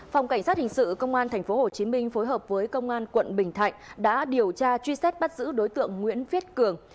phòng cảnh sát hình sự công an tp hcm phối hợp với công an quận bình thạnh đã điều tra truy xét bắt giữ đối tượng nguyễn viết cường